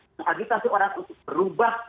mengagetasi orang untuk berubah